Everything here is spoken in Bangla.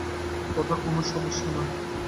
ওটা কোনো সমস্যা না।